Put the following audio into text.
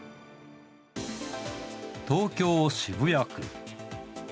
東京・渋谷区。